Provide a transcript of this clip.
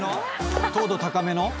糖度高めの？